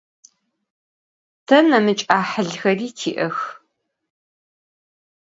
Te nemıç' 'ahılxeri ti'ex.